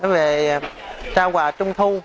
về trao quà trung thu